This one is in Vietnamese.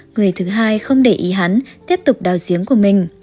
người thứ hai không để ý hắn tiếp tục đảo giếng